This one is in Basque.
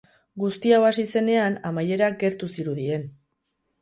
Guzti hau hasi zenean amaierak gertu zirudien.